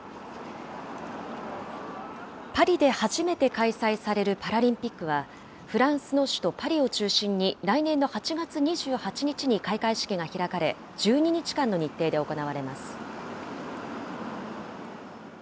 パリで初めて開催されるパラリンピックは、フランスの首都パリを中心に来年の８月２８日に開会式が開かれ、１２日間の日程で行われます。